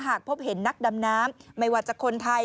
หากพบเห็นนักดำน้ำไม่ว่าจะคนไทย